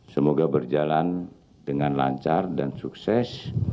semoga berjalan dengan lancar dan sukses